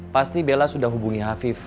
pasti bella sudah hubungi hafiz